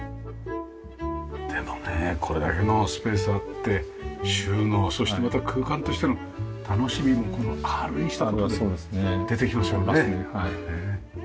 でもねこれだけのスペースあって収納そしてまた空間としての楽しみもこのアールにした事で出てきましたもんね。